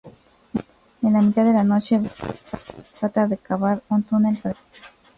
En la mitad de la noche, Bart trata de cavar un túnel para escapar.